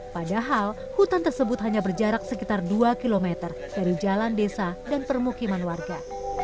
padahal hutan tersebut hanya berjarak sekitar dua km dari jalan desa dan permukiman warga